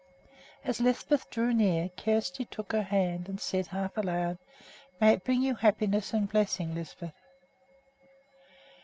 As Lisbeth drew near, Kjersti took her hand and said half aloud, "May it bring you happiness and blessing, Lisbeth!"